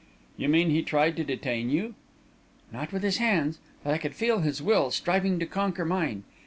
"You mean he tried to detain you?" "Not with his hands. But I could feel his will striving to conquer mine.